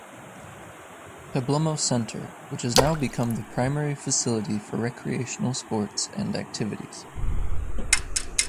Pablumbo Center, which has now become the primary facility for recreational sports and activities.